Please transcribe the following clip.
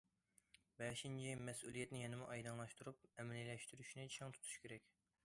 بەشىنچى، مەسئۇلىيەتنى يەنىمۇ ئايدىڭلاشتۇرۇپ، ئەمەلىيلەشتۈرۈشنى چىڭ تۇتۇش كېرەك.